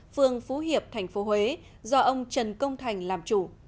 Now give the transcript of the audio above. phường phú hiệp tp huế do ông trần công thành làm chủ